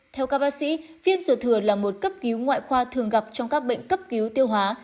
theo các bác sĩ viêm ruột thừa là một cấp cứu ngoại khoa thường gặp trong các bệnh cấp cứu tiêu hóa